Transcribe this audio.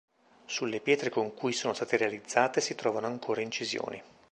Sulle pietre con cui sono state realizzate si trovano ancora incisioni.